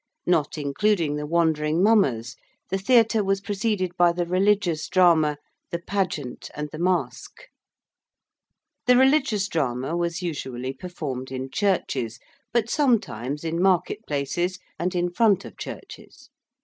Not including the wandering mummers, the Theatre was preceded by the Religious Drama, the Pageant, and the Masque. The Religious Drama was usually performed in churches, but sometimes in market places and in front of churches.